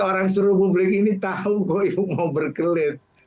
orang suruh publik ini tahu kok ibu mau berkelit